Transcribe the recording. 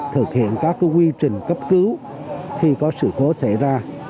thực hiện các quy trình cấp cứu khi có sự cố xảy ra